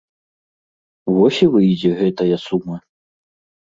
Вось і выйдзе гэтая сума.